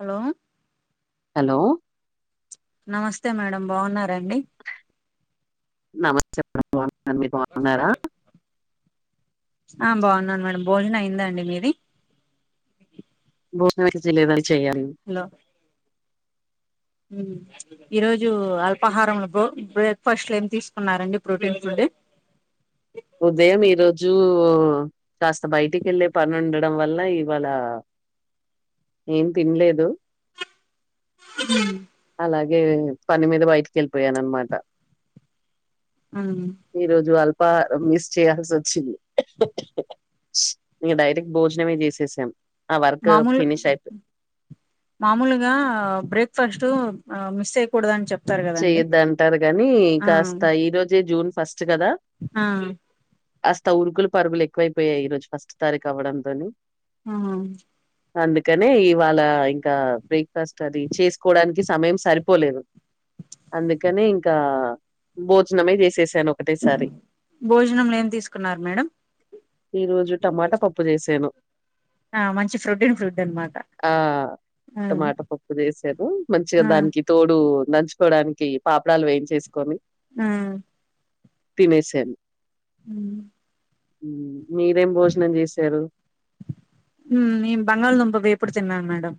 Hello hello నమస్తే madam బావున్నారా అండి నమస్తే చెప్పమ్మా మమ్మి బావున్నారా ఆ బాగున్నాను మేడమ్ భోజనం అయిందండి మీది. భోజనం ఏమి చెయ్యలేదండి చేయాలి హలో ఈరోజు అల్పాహారంలో బ్రేక్ఫాస్ట్ ఏమి తీసుకున్నారండి. ప్రోటీన్ ఫుడ్ ఉదయం ఈరోజు కాస్త బయటికి వెళ్లే పనిండడం వల్ల ఇవాళ ఏం తినలేదు. హ [unintelligible] అలాగే పని మీద బయటికి వెళ్ళిపోయాను. అనమాట ఇ రోజువల్ బా మిస్ చేయాల్సి వచ్చింది, ఇక డైరెక్ట్ భోజనమే చేసేసాం. ఆ వర్క్ మామూలు ఫినిష్ అయిపోయి మామూలుగా బ్రేక్ ఫస్ట్ ఆ మిస్టేక్ కుడదా అని చెప్ప చేయొద్ద అంటారు గానీ కాస్త ఈ రోజే జూన్ ఫస్ట్ కదా ఆ కాస్త ఉరుకులు పరుగులు ఎక్కువైపోయాయి. ఈ రోజు ఫస్ట్ తారీఖు అవ్వడంతోని ఆ అండి కానే ఇవాళ ఇంకా బ్రేక్ఫాస్ట్ అది చేసుకోవడానికి సమయం సరిపోలేదు అందుకనే ఇంకా భోజనమే చేసే సి ఒకటేసారి భోజనంలో ఏం తీసుకున్నారు మేడం ఈ రోజు టమాటా పప్పు చేసాను ఆ మంచి ప్రోటీన్ ఫుడ్ అనమాట ఆ ఆ టమాట పప్పు చేసాారు మంచిగా ఆ దానికి తోడు మంచి కోడానికి పాపడాలు వేయించేసుకొని ఆ తినే శానే హమ్ ఉమ్ న బంగల్ దుంప వేపుడు ఇప్పుడు తిన్నాను మేడం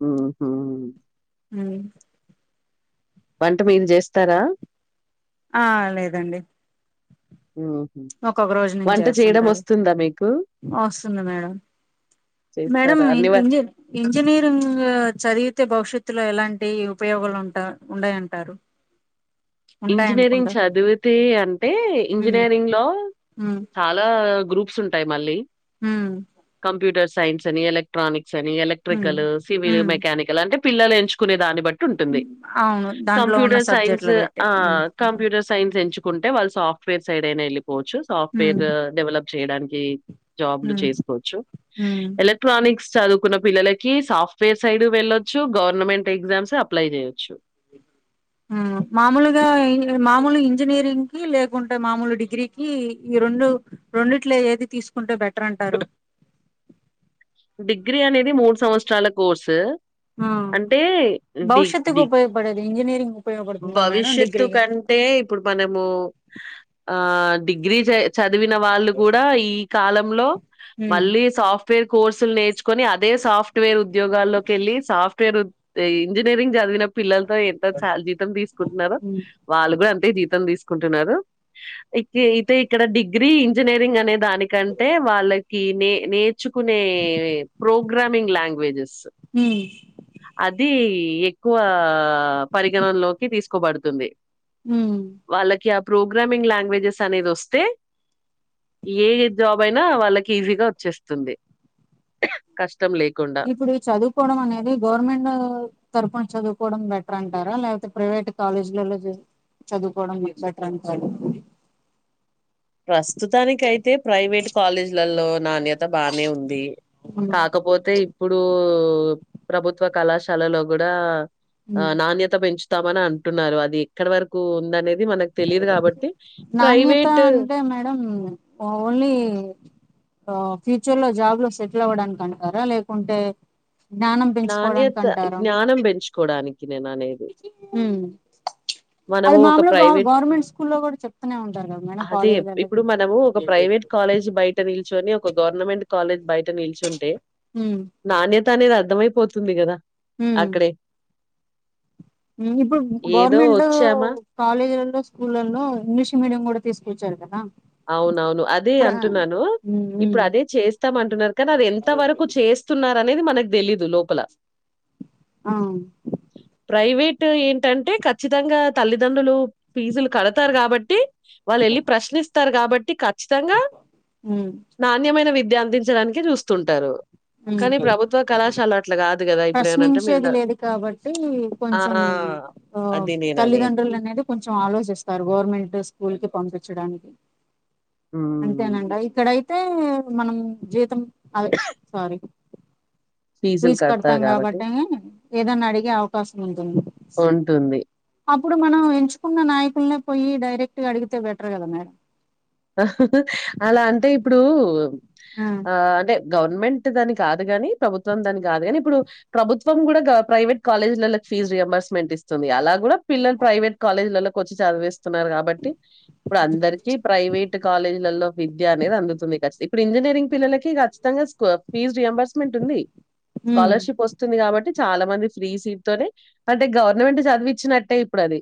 ఆ హమ్ వంట మీరు చేస్తారా ఆ లేదండి ఉహు ఒకొక్క రోజు నుంచి వంట చేయడం వస్తుంటారు వస్తుందా మీకు వస్తుంది మేడం మేడం చేస్తారా అన్ని ఇం ఇంజనీరింగ్ చదివితే భవిష్యత్తులో ఎలాంటి వంటి ఉపయోగాలు ఉండ ఉన్నాయంటారు ఇంజనీరింగ్ చదివితే అంటే ఉమ్ ఇంజనీరింగ్ లో ఉమ్ చాలా గ్రూప్స్ ఉంటాయి మళ్ళీ ఉమ్ కంప్యూటర్స్ సైన్స్ అని ఎలక్ట్ర్రానిక్స్ ని ఉమ్ ఎలక్ట్రికల్ సివిల్ ఉమ్ మెకానికల్ అంటే పిల్లలు ఎంచు కునే దాన్ని బట్టి ఉంటుంది అవును దాంట్లో ఉన్న కంప్యూటర్ సైన్స్ సబ్జెక్ట్లు బట్టి ఆ ఉమ్ కంప్యూటర్ సైన్స్ పెంచుకుంటే వాళ్ళ సాఫ్ట్వేర్ సైడ్ అయినళ్ళి పోచ్చు ఉమ్ సాఫ్ట్వేర్ డేవలప్ చేయడానికి జాబ్లు ఉమ్ చేసుకోవచ్చు ఉమ్ ఎలక్ట్రానిక్స్ చదువుకున్న పిల్లలకి సాఫ్ట్వేర్ సైడ్ వెళ్లొచ్చు గవర్నమెంట్ ఎగ్జామ్స్ అప్లై చేయొచ్చు మామూలుగా మామూలు ఇంజనీరింగ్ కి లేకుంటే మామూలు డిగ్రీకి ఈ రెండు రెండిట్లే ఏది తీసుకుంటే బెటర్ అంటారు డిగ్రీ అనేది మూడు సంవత్సరాల కోర్సు భవిష్యత్కు డి ఉపయోగపడేది ఇంజనీరింగ్ ఉపయోగపడుతుందా మేడం భవిష్యత్తు డిగ్రీగా కంటే ఇప్పుడు మనము ఆ డిగ్రీ చద్ చదివిన వాళ్ళు గూడా ఈ కాలంలో హ్మ్ మళ్ళీ సాఫ్ట్ సాప్ట్ వేర్ కోర్సుల్ నేర్చుకొని అదే సాఫ్ట్వేర్ ఉద్యోగాల్లోకెళ్లి సాఫ్ట్వేర్ ఇంజనీరింగ్ చదివిన పిల్లల్ [unintelligible] తీసుకుంటున్నారు హ్మ్ వాళ్ళు గుడా అంతే జీతం తీసుకుంటున్నారు. అయితే ఇక్కడ డిగ్రీ ఇంజనీరింగ్ అనేద్ దానికంటే వాళ్ళకి ఈ నే నేర్చుకునే ప్రోగ్రామింగ్ లాంగ్వేజెస్ హ్మ్ అదీ ఎక్కువా ఆ పరిగణనలో తీస్కోబడుతుంది. హ్మ్. వాళ్ళకి అ ప్రోగ్రామింగ్ లాంగ్వేజెస్ అనేదొస్తే ఏ జాబ్ అయినా వాళ్ళకి ఈజీగా వచ్చేస్తుంది. కష్ ఇప్పుడు చదువుకోవడం అనేది గవర్నమెంట్ తరుపున చదు కోవడం బెటర్ అంటారా లేకపోతే ప్రైవేట్ కాలేజ్లలో చదువుకోవడం బెటర్ అంటారా? ప్రస్తుతానికయితే ప్రైవేట్ కాలేజ్ల్లలో నాణ్య త బానే ఉంది కాకపోతే ఇప్పుడూ ప్రభుత్వ కళాశాలలో గుడా ఆ నాణ్యత పెంచుతామని అంటున్నారు. అది ఇక్కడ వరకు ఉందనే ది మనకు తెలీదు కాబట్టి నాణ్యత ప్రైవేట్ అంటే మేడం ఓన్లీ ఫ్యూచర్లో జాబ్లో సెటిల్ అవ్వడానికి అంటారా లేకుంటే జ్ఞానం పెంచుకోవడానికి నాణ్యతా అంటారా జ్ఞానం పెంచుకోడానికి నేననేది. అది మనము ఒక మాముూల్గా గ ప్రైవేట్ గవర్నమెంట్ స్కూల్లో గూడా చెప్తూనే ఉంటారు గదా మేడం అదే కాలేజీల ఇప్పుడు మనము ఒక ప్రైవేట్ కాలేజ్ బయట నిల్చొని ఒక గవర్నమెంట్ కాలేజ్ బయ్ నిల్చుంటే హ్మ్ నానిర్ తనే రాద్దామా ఇప్ పోతుంది గదా హ్మ్ అక్కడే ఇప్పుడు ఏదో గవర్నమెంటు వచ్చామా కాలేజీలలో స్కూళ్లలో ఇంగ్లీష్ మీడియం కూడా తీసుకొచ్చారు కదా. అవునవును అదే ప్ర అంటున్నాను మ్మ్ ఇప్పుడు అదే చేస్తాం అంటున్నారు. కానీ అది ఎంత వరకు చేస్తున్నారు. అనేది మనకు తెలీదు లోపల మ్మ్ ప్రైవేట్ క్ట్ ఏంటంటే ఖచ్చితంగా తల్లిదండ్రులు ఫీజులు కడతారు కాబట్టి వాళ్ళు వెళ్ళి ప్రశ్నిస్ స్తారు కాబట్టి క ఖచ్చితంగా మ్మ్ నాణ్యమైన విద్ అందించడానికే చూస్తుంటారు. గాదు గదా! ఇప్పుడేమనంటే మీరు ప్రశ్నించేది డ లేదు కాబట్టి ఆ! కొంచెం ఆ అది నేననేది. తల్లిదండ్రులు అనేది కొంచెం ఆలోచిస్తారు గవర్నమెంట్ స్కూల్ కి పంపి చ్చడానికి హ్మ్. అంతేనండి ఐ ఇక్కడయి అయితే మనం జీతం అవే మరి ఫీజులు ఫీజు కడతాం కడతారు గాబట్టి కాబట్టి ఏదన్నా అడిగే అవకాశం ఉంటుంది. ఉంటుంది. అప్ ఇప్పుడు మనం ఎంచుకున్న నాయకులనే పోయి డైరెక్ట్ గా అడిగితే బెటర్ కదా మేడం ఇప్పుడూ ఆ అంటే గవర్నమెంట్ ప్రైవేట్ దని కాదు గాని ప్రభుత్వంది అని కాదు గాని ఇప్పుడు ప్రభుత్వం కూడా ప్రైవేట్ కాలేజీలలకి ఫీజ్ రియంబర్స్మెంట్ ఇస్తుంది. అలా కూడా పిల్లల్ ప్రైవేట్ కాలేజీలలో కొంచం చదువేసి స్తున్నారు కాబట్టి ఇప్పుడు అందరికీ ప్రైవేట్ కాలేజీలలో విద్య అనేది అందుతుంది. ఖచ్చి ఇప్పుడు ఇంజనీరింగ్ పిల్లలకి ఖచ్చితంగా ఫీజ రీయింబర్స్ మెంట్ ఉంది. ఉమ్ స్కాలర్షిప్ వస్తుంది గాబట్టి చాలా మంది ఫ్రీ సీట్ తోనే అంటే గవర్నమెంట్ చదివిచ్చినట్టే ఇప్పుడు అది.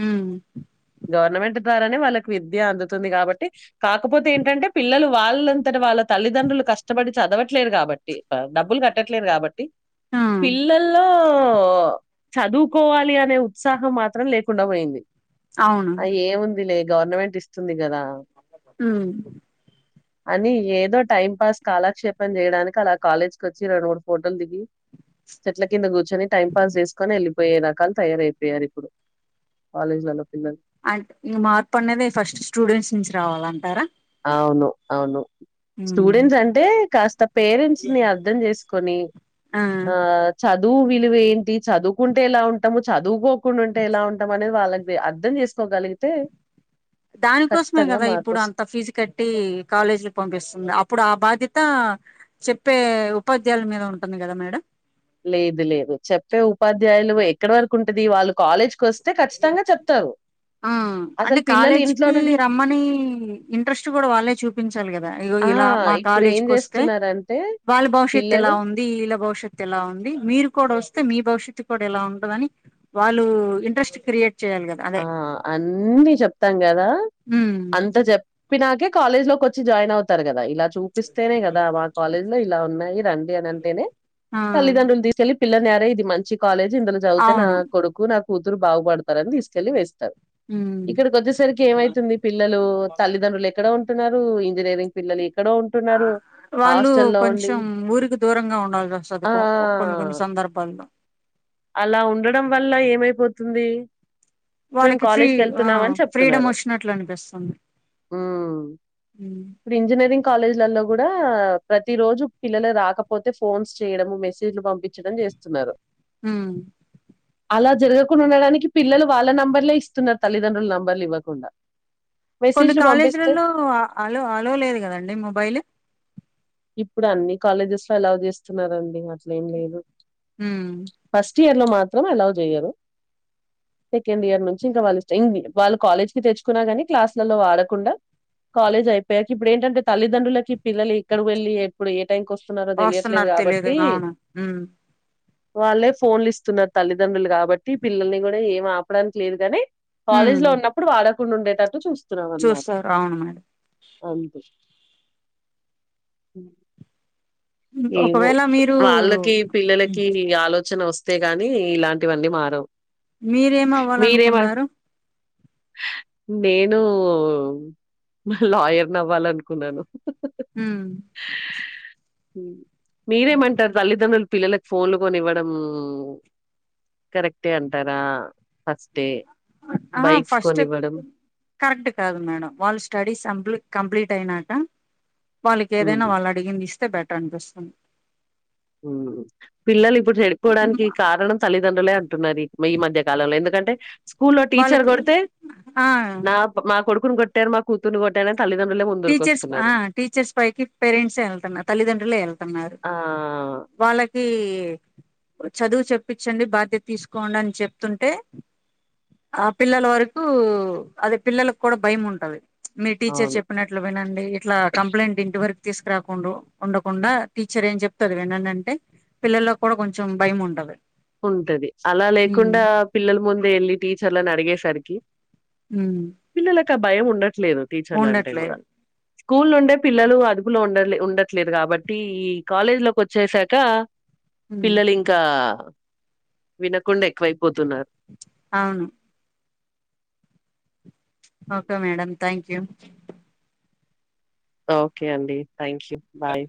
హ్మ్ గవర్నమెంట్ ద్వారానే వాళ్ విద్య అందుతుంది గాబట్టి కాకపోతే ఏంటంటే పిల్లలు వాళ్ళంతట వాళ్ళ తల్లిదండ్రులు కష్టపడి చదవట్లేదు కాబట్టి డబ్బులు కట్టట్లేదు కాబట్టి ఆ పిల్లల్లో ల్లో చదువుకోవాలి అనే ఉత్సాహం మాత్రం లేకుండా పోయింది. అవును అ ఏముంది లే గవర్నమెంట్ ఇస్తుంది గదా. హ్మ్ అని ఏదో టైం పాస్ కాలాక్షేపం చేయడానికి అలా కాలేజ్కి వచ్చి రెండు మూడు ఫోటోలు దిగి చెట్ల కింద కూర్చొని టైం పాస్ చేసుకొని వెళ్ళి వెయ్యి రకాలు తయారయిపోయారు ఇప్పుడు కాలేజ్లలో పిల్లలు అట్ ఇ మా ఇప్పుడునేద ఫస్ట్ స్టూడెంట్స్ నుంచి రావాలంటారా అవును అవును ఉమ్ స్టూడెంట్స్ అంటే కాస్ పేరెంట్స్ని అర్థం చేసుకొని ఆ చదు దు విలువ ఏంటి చదువుకుంటే ఎలా ఉంటాము చదువుకో కున్టుంటే ఎలా ఉంటాం అనీ వాళ్ళకి అది అర్ధం చేసుకోగలిగితే దానికోసమే ఖచ్చితంగా కదా ఇప్పుడు మార్పొస్తుంది. అంత ఫిజ్ కట్టి కాలేజీలు పంపిస్తుంది అప్పుడు ఆ బాధ్యత చెప్పే ఉపాధ్యాయుల మీద ఉంటుంది కద మేడం లేదు లేదు చెప్పే ఉపాధ్యాయులు ఎక్కడ వరకు ఉంటది వాళ్ళు కాలేజ్కి వస్ ఆ అంటే అసలు పిల్లలు ఇంట్లో కాలేజ్కి నుండి రమ్మని ఇంట్రెస్ట్ గూడా వాళ్ళే చూపించాలి కదా ఇగో ఆ! ఇలా మా ఇప్పుడు ఏం కాలేజీకి వస్తే చేస్తున్నారంటే వాళ్ళ భవిష్యత్తు ఇలా పిల్లలు ఉంది ఇళ్ళ భవిష్యత్ ఇలా ఉంది మీర్ కుడా వస్తే మీ భవిష్యత్తు కూడా ఇలా ఉండదని వాళ్ళు ఇంట్రెస్ట్ క్రియేట్ చేయాలి కదా అదే ఆ అన్నీ చెప్తాం కదా ఉమ్ అంత చెప్పినాకే కాలేజ్లోకి వచ్చి జాయిన్ అవ్ తరు కదా ఇలా చూపిస్తేనే కదా మా కాలేజ్ లో ఇలా ఉన్నాయి రండి అని అంటేనే ఆ తల్లిదండ్రులు తీసుకెళ్ళి పిల్లని అరేయ్ ఇది మంచి కాలేజ్ ఇందులో చదివితే నా అవును కొడుకు నా కూతురు బాగు పడతారు అని తీస్ కెళ్లి వేస్తారు ఉమ్ ఇక్కడికి వచ్చేసరికి ఏమైతుంది పిల్లలు తల్లిదండ్రులు ఎక్కడో న్నారు ఇంజనీరింగ్ పిల్లలు ఎక్కడో ఉంటున్నారు. వాళ్ళు హాస్టల్‌లో ఉండి కొంచెం ఊరికి దూరంగా ఉండాల్సి వస్తది ఆ! కొన్ని కొన్ని సందర్భాల్లో మైపోతుంది మేము వాళ్ళకి ఫ్రీ కాలేజ్కి ఆ వెళ్తున్నామని ఫ్రీడమ్ చెప్తున్నారు వచ్చినట్లు అనిపిస్తుంది హమ్ ఉమ్ ఇప్పుడు ఇంజనీరింగ్ కాలేజీలల్లో కూడా ప్రతి రోజు పిల్లలు రాకపోతే ఫోన్స్ చేయడం మెసేజ్లు పం పించటం చేస్తున్నారు ఉమ్ అలా జరగకుండా ఉండడానికి పిల్లలు వాళ్ళ నంబర్లే ఇస్తున్నారు తల్లిదండ్రుల నంబర్లు ఇవ్వకుండా కొన్ని మెసేజ్లు పంపిస్తే కాలేజీలలో అలో అలోలేదు కదండి మొబైలు ఇప్పుడు అన్ని కాలేజెస్ లో ఆలో చేస్తున్నారండి అట్ల ఏం లేదు హమ్ ఫస్ట్ ఇయర్ లో మాత్రం అలో చేయరు సెకడ్ ఇయర్ నుంచి ఇంకా వాళ్ళు కాలేజ్ కి తెచ్చుకున్నా కాని క్లాలలో వాడకుండా కాలజ్ అయిపోయాకా ఇప్పుడు ఏంటంటే తల్లిదండ్రులకి పిల్లలు క్కడకి వెళ్లి ఎప్పుడు టైంకి వస్తున్నారో తెలియట్లేదు వస్తున్నారు తెలియదు కాబట్టి అవును ఉమ్ వాళ్ళే ఫోన్లు ఇస్తున్నారు తల్లిదండ్రులు కాబట్టి పిల్లల్ని కూడా ఏం ఆపడానికి లేదు గాని కాలేజ్ ఉమ్ లో ఉన్నప్పుడు వాడక్ ఉండేటటు చూస్ చూస్తారు అవును మేడం అంతే హమ్ ఏమో ఒకవేళ మీరు వాళ్ళకి పిల్లలకి ఆలో చనా వస్తే గాని ఇలాంటివన్నీ మారవ్ మీరేమవ్వాలనుకున్నారు నేను లాయర్ని అవ్వాలనుకున్నాను [unintelligible] మీరేమంటారు తల్లితండ్రులు పిల్లలకు ఫోన్లు కొని ఇవ్వడం కరెక్టే అంటారా ఫస్టే ఆహా బైక్స్ ఫస్ట్ కొనివ్వడం కరెక్ట్ కాదు మేడం వాళ్ళు స్టడీస్ పంప్లే కంప్లీట్ అయినాక వాళ్ళకి ఏదైనా హ్మ్ వాళ్ళు అడిగింది ఇస్ తే బెటర్ అనిపిస్తుంది హమ్ పిల్లలు ఇప్పుడు చెడిపోవడానికి కారణం తల్లి తండ్రులే అంటున్నారు ఈ మధ్య కాలంలో ఎందుకంటే స్కూల్లో టీచర్ వాళ్ళకి కొడితే ఆ నా మా కొడు కోట్టారు మా కూతుర్ని కొట్టారు ఆన్ టీచర్స్ ఆహ్ టీచర్స్ పైకి పేరెంట్సేళ్తన్నా తల్లిదండ్రులే వెళ్తతున్నా రూ ఆ వాళ్ళకి చదువు చెప్పించండి బాధ్యత తీసుకోండి అని చెప్తుంటే ఆహ్ పిల్లల వరకు అదే పిల్లలకు కూడా భయం ఉంటది మీ టీచర్ అవును చెప్ అట్లా వినండి ఇట్లా కంప్లైంట్ ఇంటి వరకు తీసుకురాకుండా ఉండకుండా టీచర్ ఏం చెప్తే అది వినండి అంటే పిల్లల్లో కూడా కొంచెం భయం ఉండది ఉంటది అలా లేకుండా పిల్లల ముందే వెళ్ళి టీచర్లను అడిగేసరికి మ్మ్ అక్క భయం ఉండ లేదు టీచర్లు అంటే కూడా స్కూల్ ఉండే పిల్లలు అదుపులో ఉండల్ ఉండట్లేదు కాబట్టి ఈ కాలేజ్ లోకి వచ్చేసాక ఉమ్ పిల్లలు ఇంకా వినకుండై వైపోతున్నారు అవును okay madam thank you okay అండి థ్యాంక్ యూ బాయ్